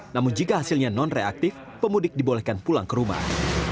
namun jika hasilnya non reaktif pemudik dibolehkan pulang ke rumah